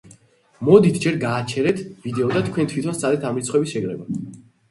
მოდით, ჯერ გააჩერეთ ვიდეო და თქვენ თვითონ სცადეთ ამ რიცხვების შეკრება.